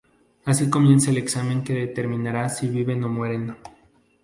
Así comienza el examen que determinará si viven o mueren.